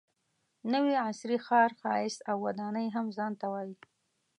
نوي عصري ښار ښایست او ودانۍ هم ځان ته وایي.